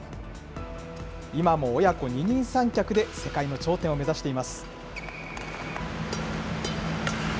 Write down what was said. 今も親子二人三脚で世界の頂点を目指しています。